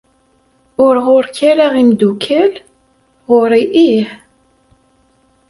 Ur ɣuṛ-k ara imdukkal? ɣuṛ-i ih.